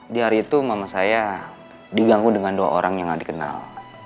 di hari itu mama saya diganggu dengan dua orang yang gak dikenal